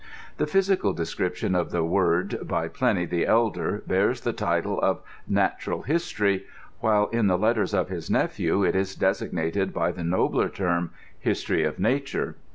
The physical description of the word by Pliny the elder bears the title of Natural His tory , while in the letters of his nephew it is designated by the nobler term of History of Nature.